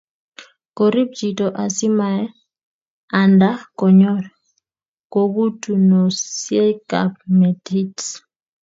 Korib chito asimaye Anda konyor kakutunosiekab metit